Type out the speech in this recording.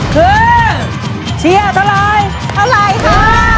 คือเที่ยวเท่าไหร่เท่าไหร่ค่ะ